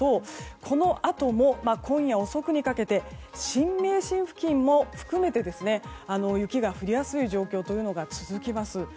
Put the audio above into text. このあとも今夜遅くにかけて新名神付近も含めて雪が降りやすい状況が続きます。